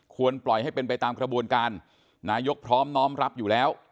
ปล่อยให้เป็นไปตามกระบวนการนายกพร้อมน้อมรับอยู่แล้ว